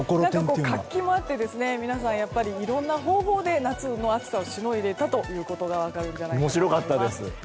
活気もあって皆さんいろいろな方法で夏の暑さをしのいでいたことが分かると思います。